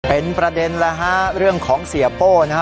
เป็นประเด็นแล้วฮะเรื่องของเสียโป้นะฮะ